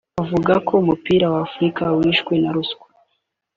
Avuga ko umupira w’Afurika wishwe na ruswa